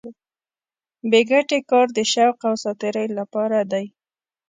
بې ګټې کار د شوق او ساتېرۍ لپاره دی.